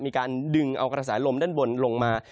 มีการดึงเอากระแสลมด้านบนลงมา